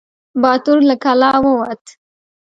باتور له کلا ووت.